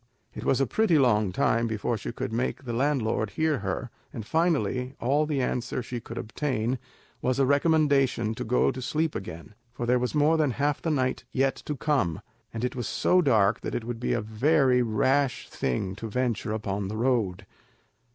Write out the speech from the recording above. It was a pretty long time before she could make the landlord hear her; and finally, all the answer she could obtain was a recommendation to go to sleep again, for there was more than half the night yet to come, and it was so dark that it would be a very rash thing to venture upon the road.